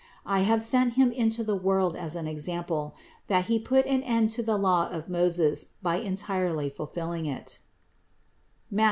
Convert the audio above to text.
I have sent Him into the world as an example, that He put an end to the law of Moses by entirely fulfilling it (Matth.